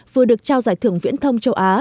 vừa được trao giải thưởng viễn thông châu á